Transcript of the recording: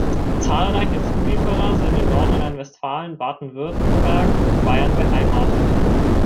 Zahlreiche Zulieferer sind in Nordrhein-Westfalen, Baden-Württemberg und Bayern beheimatet.